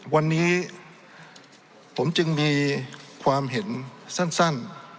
วันนี้ผมจึงมีความเห็นสั้น